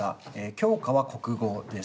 教科は国語です。